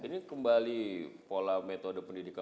ini kembali pola metode pendidikan